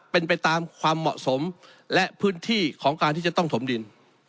เป็นไปตามความเหมาะสมและพื้นที่ของการที่จะต้องถมดิน